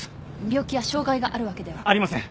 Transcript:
病気や障害があるわけでは。ありません。